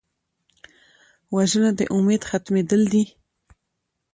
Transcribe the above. وژنه د امید ختمېدل دي